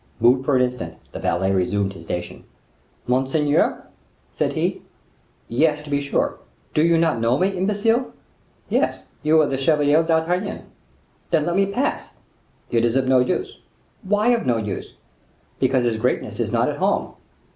Moved for an instant the valet resumed his station. "Monseigneur?" said he. "Yes, to be sure; do you not know me, imbecile?" "Yes; you are the Chevalier d'Artagnan." "Then let me pass." "It is of no use." "Why of no use?" "Because His Greatness is not at home."